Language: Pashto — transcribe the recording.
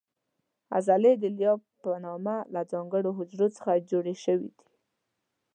عضلې د الیاف په نامه له ځانګړو حجرو څخه جوړې شوې دي.